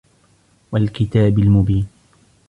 والكتاب المبين